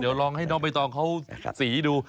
เดี๋ยวลองให้น้องใบตองเขาสีดู